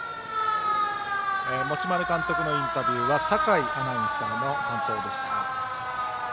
持丸監督のインタビューは酒井アナウンサーの担当でした。